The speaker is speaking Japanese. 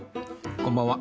こんばんは。